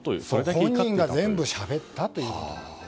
本人が全部しゃべったということです。